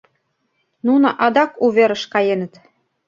— Нуно адак у верыш каеныт.